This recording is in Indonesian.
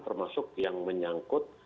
termasuk yang menyangkut